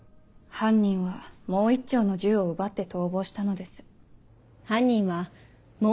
犯人はもう１丁の銃を奪って逃亡したのです。